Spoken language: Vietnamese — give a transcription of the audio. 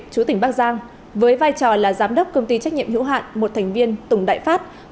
chú tỉnh bắc giang với vai trò là giám đốc công ty trách nhiệm hữu hạn một thành viên tùng đại phát